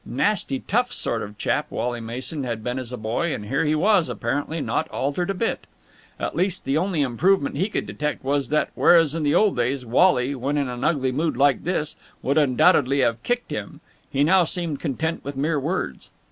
Nasty, tough sort of chap Wally Mason had been as a boy, and here he was, apparently, not altered a bit. At least the only improvement he could detect was that, whereas in the old days Wally, when in an ugly mood like this, would undoubtedly have kicked him, he now seemed content with mere words.